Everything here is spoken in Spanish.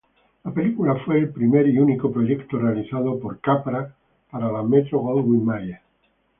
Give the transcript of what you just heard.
La película fue el primer y único proyecto realizado por Capra para la Metro-Goldwyn-Mayer.